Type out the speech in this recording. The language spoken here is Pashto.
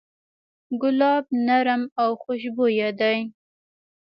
ګلاب نرم او خوشبویه دی.